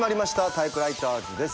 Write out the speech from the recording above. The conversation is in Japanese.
『タイプライターズ』です。